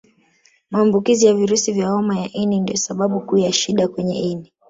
Maambukizi ya virusi vya homa ya ini ndio sababu kuu ya shida kwenye ini